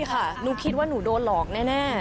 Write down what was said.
ใช่ค่ะหนูคิดว่าหนูโดนหลอกแน่